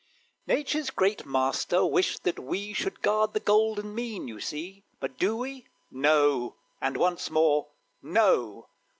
Nature's great Master wished that we Should guard the golden mean, you see; But do we? No; and once more, No!